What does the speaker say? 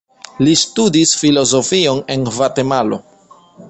Li studis filozofion en Gvatemalo.